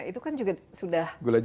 itu kan juga sudah